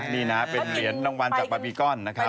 นี่นะเป็นเหรียญรางวัลจากบาร์บีก้อนนะครับ